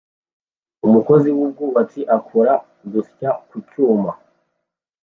Umukozi wubwubatsi akora gusya ku cyuma